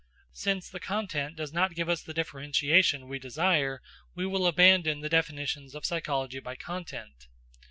Since the content does not give us the differentiation we desire, we will abandon the definitions of psychology by content.